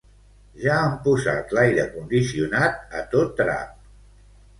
Ja han posat l'aire condicionat a tot drap!